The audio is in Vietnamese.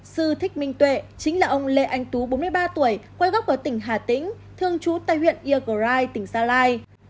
sư thích minh tuệ chính là ông lê anh tú bốn mươi ba tuổi quay góc ở tỉnh hà tĩnh thương chú tây huyện yêu gò rai tỉnh sa lai